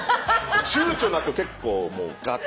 ちゅうちょなく結構ガッて。